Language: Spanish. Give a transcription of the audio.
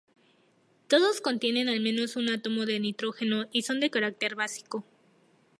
Todos contienen al menos un átomo de nitrógeno y son de carácter básico.